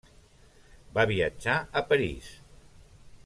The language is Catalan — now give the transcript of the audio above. Va viatjar a París.